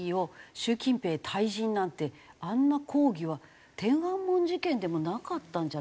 「習近平退陣」なんてあんな抗議は天安門事件でもなかったんじゃないかと思うんですけど。